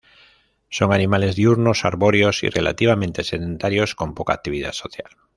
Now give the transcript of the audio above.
Son animales diurnos, arbóreos y relativamente sedentarios, con poca actividad social.